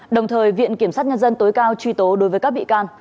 đồng thời viện kiểm sát nhân dân tối cao truy tố đối với các bị can